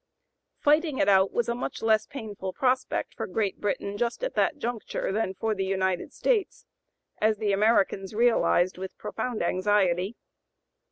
Fighting it out was a much less painful prospect for Great Britain just at that juncture than for the United States, as the Americans realized with profound anxiety.